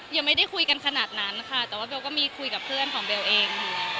ยังไม่ได้คุยกันขนาดนั้นค่ะแต่ว่าเบลก็มีคุยกับเพื่อนของเบลเองอยู่แล้ว